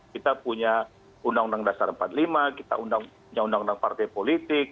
kita punya undang undang dasar empat puluh lima kita punya undang undang partai politik